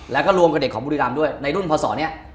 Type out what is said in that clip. แล้วก็รวมกับเด็กของบุรีรัมป์ด้วยในรุ่นพระศรเนี่ย